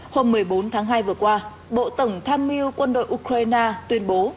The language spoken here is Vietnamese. hôm một mươi bốn tháng hai vừa qua bộ tổng tham mưu quân đội ukraine tuyên bố